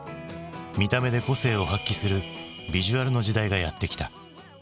見た目で個性を発揮するビジュアルの時代がやってきた。